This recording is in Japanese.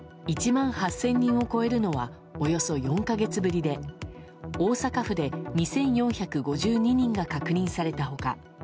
１万８０００人を超えるのはおよそ４か月ぶりで大阪府で２４５２人が確認された他